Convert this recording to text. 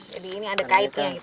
jadi ini ada kaitnya gitu